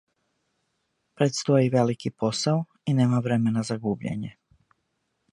Предстоји велики посао и нема времена за губљење.